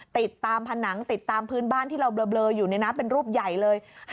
ติดตามผนังติดตามพื้นบ้านที่เราเบลออยู่ในน้ำเป็นรูปใหญ่เลย